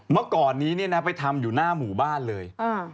เมื่อก่อนนี้เนี่ยนะไปทำอยู่หน้าหมู่บ้านเลย